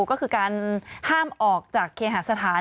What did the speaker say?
ก็คือการห้ามออกจากเคหาสถาน